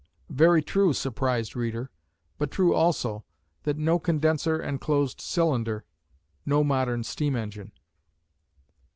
Very true, surprised reader, but true, also, that no condenser and closed cylinder, no modern steam engine.